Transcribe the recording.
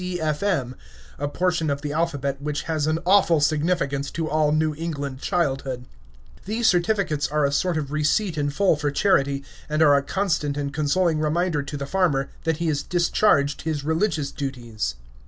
B. C. F. M., a portion of the alphabet which has an awful significance to all New England childhood. These certificates are a sort of receipt in full for charity, and are a constant and consoling reminder to the farmer that he has discharged his religious duties.